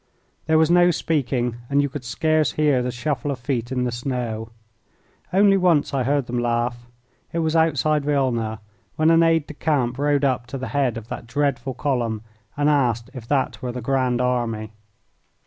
There was no speaking, and you could scarce hear the shuffle of feet in the snow. Once only I heard them laugh. It was outside Wilna, when an aide de camp rode up to the head of that dreadful column and asked if that were the Grand Army.